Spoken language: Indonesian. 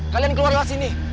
kalian keluar lewat sini